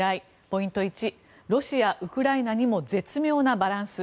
ポイント１、ロシアウクライナにも絶妙なバランス。